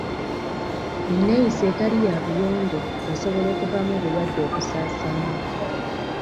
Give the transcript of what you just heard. Eneeyisa etali ya buyonjo esobola okuvaamu obulwadde okusaasaana.